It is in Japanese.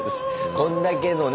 こんだけのね